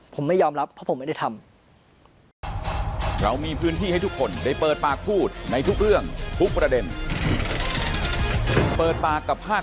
ผมไม่ยอมรับเพราะผมไม่ได้ทำ